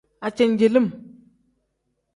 Ajenjelim.